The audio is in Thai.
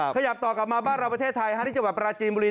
ขยับต่อกลับมาบ้านเราประเทศไทยที่จังหวัดปราจีนบุรี